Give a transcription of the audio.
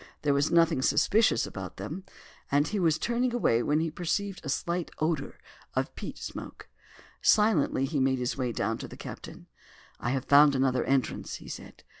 There was nothing suspicious about them, and he was just turning away when he perceived a slight odour of peat smoke. Silently he made his way down to the captain. "I have found another entrance," he said.